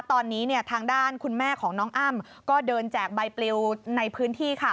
ตอนนี้เนี่ยทางด้านคุณแม่ของน้องอ้ำก็เดินแจกใบปลิวในพื้นที่ค่ะ